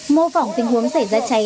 mô phỏng tình huống xảy ra cháy